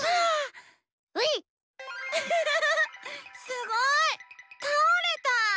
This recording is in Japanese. すごいたおれた！